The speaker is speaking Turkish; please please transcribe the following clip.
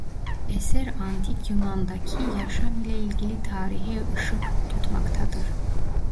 Eser antik yunandaki yaşam ile ilgili tarihe ışık tutmaktadır.